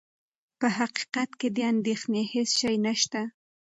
په حقیقت کې د اندېښنې هېڅ شی نه شته.